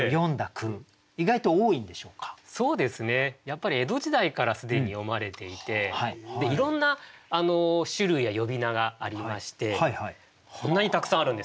やっぱり江戸時代からすでに詠まれていていろんな種類や呼び名がありましてこんなにたくさんあるんです。